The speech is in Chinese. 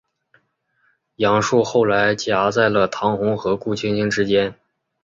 杨树后来夹在了唐红和顾菁菁之间。